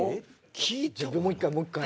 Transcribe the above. もう１回もう１回。